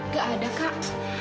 gak ada kak